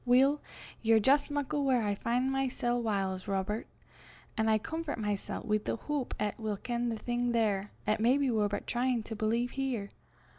"Weel, ye're jist muckle whaur I fin' mysel' whiles, Robert; an' I comfort mysel' wi' the houp 'at we'll ken the thing there, 'at maybe we're but tryin' to believe here.